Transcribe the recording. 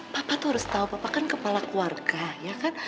bapak tuh harus tahu papa kan kepala keluarga ya kan